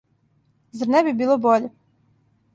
Зар не би било боље?